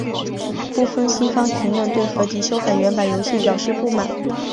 部分西方评论对合辑修改原版游戏表示不满。